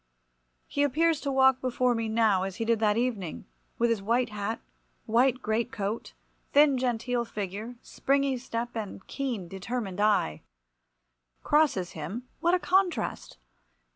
He appears to walk before me now, as he did that evening, with his white hat, white great coat, thin genteel figure, springy step, and keen determined eye. Crosses him, what a contrast!